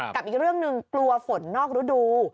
กับอีกเรื่องหนึ่งกลัวฝนนอกฤดู